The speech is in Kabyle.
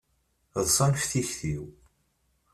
Ḍsan ɣef tikti-w.